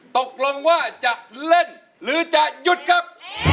ตกลงว่าจะเล่นหรือจะหยุดครับ